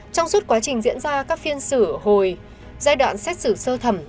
trong suốt quá trình diễn ra các phiên xử hồi giai đoạn xét xử sơ thẩm